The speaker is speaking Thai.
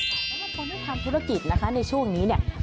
สำหรับคนที่ทำธุรกิจนะคะในช่วงนี้เนี่ย